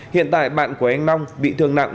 hiện tại bạn của anh long bị thương nặng